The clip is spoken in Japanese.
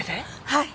はい。